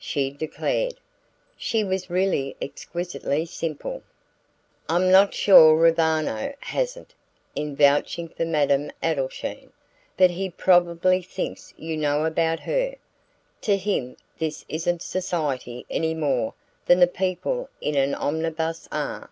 she declared. She was really exquisitely simple. "I'm not sure Roviano hasn't, in vouching for Madame Adelschein. But he probably thinks you know about her. To him this isn't 'society' any more than the people in an omnibus are.